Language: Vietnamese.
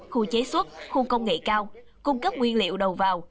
khu chế xuất khu công nghệ cao cung cấp nguyên liệu đầu vào